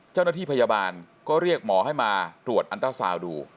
เจ้าหน้าที่พยาบาลก็เรียกหมอให้มาตรวจอันตราซาวดู